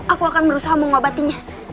aku akan berusaha mengobatinya